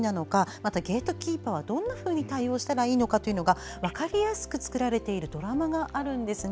またゲートキーパーはどんなふうに対応したらいいのか分かりやすく作られているドラマがあります。